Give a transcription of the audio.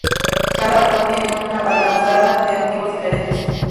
Cada balcón tiene una balaustrada de motivos diferentes.